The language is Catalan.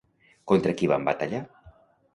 Contra qui van batallar?